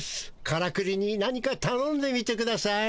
からくりに何かたのんでみてください。